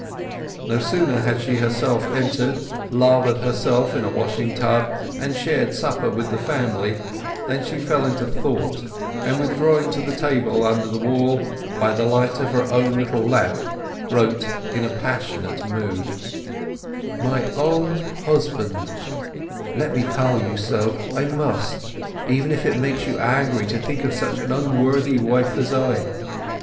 No sooner had she herself entered, laved herself in a washing tub, and shared supper with the family than she fell into thought, and withdrawing to the table under the wall, by the light of her own little lamp wrote in a passionate mood— My own Husband, Let me call you so—I must—even if it makes you angry to think of such an unworthy wife as I.